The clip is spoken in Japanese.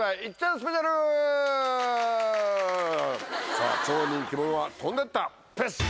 さぁ超人気者は飛んでったペシっ！